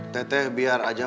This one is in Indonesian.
teh teh biar aja